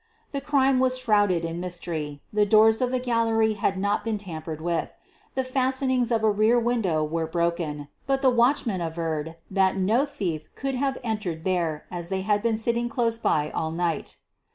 The crime was shrouded in mystery. The doors of the gallery had not been tampered with. The fastenings of a rear window were broken, but the watchmen averred that no thief could have entered there as they had been sitting close by all night.